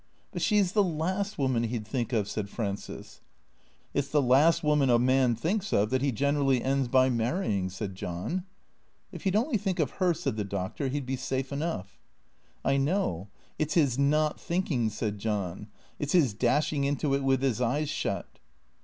" But she 's the last woman he 'd thinly of," said Prances. " It 's the last woman a man thinks of that he generally ends by marrying," said John. " If he 'd only think of her," said the Doctor, " he 'd be safe enough." " I know. It 's his not thinking," said John ;" it 's his dash ing into it with his eyes shut."